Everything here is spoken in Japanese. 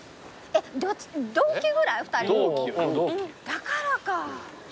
だからか。